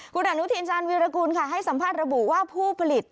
คุณอนุทินชาญวีรกุลค่ะให้สัมภาษณ์ระบุว่าผู้ผลิต